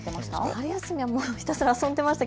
春休みはひたすら遊んでいました。